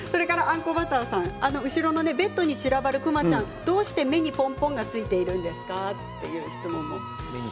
後ろのベッドに散らばる熊ちゃん、どうして目にポンポンがついているんですかっていう質問も。